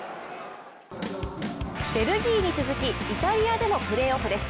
ベルギーに続きイタリアでもプレーオフです。